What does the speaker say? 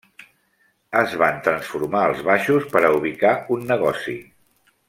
Es van transformar els baixos per a ubicar un negoci.